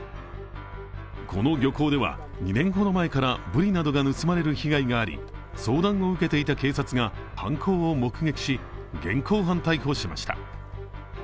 この漁港では２年ほど前からブリなどが盗まれる被害があり、相談を受けていた警察が犯行を目撃し現行犯逮捕しました。